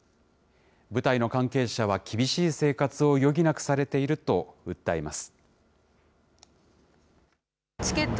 舞台の関係者は厳しい生活を余儀なくされていると訴えます。